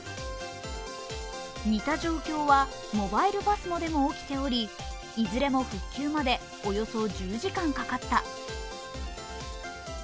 似た状況はモバイルＰＡＳＭＯでも起きており、いずれも復旧までおよそ１０時間かかった。